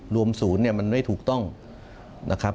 รวมศูนย์เนี่ยมันไม่ถูกต้องนะครับ